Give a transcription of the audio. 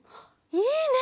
いいね！